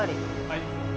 はい。